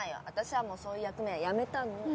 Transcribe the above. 私はもうそういう役目はやめたの。